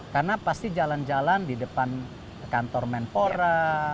karena pasti jalan jalan di depan kantor menpora